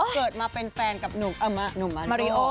เกิดมาเป็นแฟนกับหนุ่มอ่ะหนุ่มมาริโอ